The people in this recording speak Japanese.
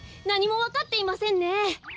なにもわかっていませんね。